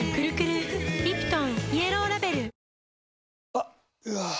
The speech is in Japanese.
あっ、うわー。